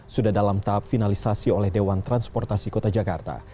sudah dalam tahap finalisasi oleh dewan transportasi kota jakarta